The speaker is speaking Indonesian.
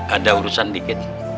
ada urusan dikit